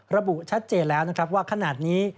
ระบุชัดเจนแล้วว่าขนาดนี้